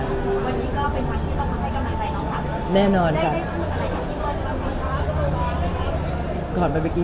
พี่เติ้ลก็บอกไม่ร้องให้นะพี่